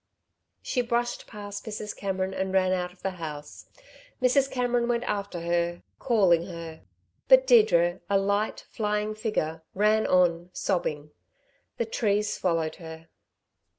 She brushed past Mrs. Cameron and ran out of the house. Mrs. Cameron went after her, calling her, but Deirdre, a light, flying figure, ran on, sobbing; the trees swallowed her.